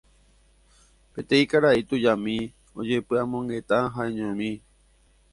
peteĩ karai tujami ojepy'amongeta ha'eñomi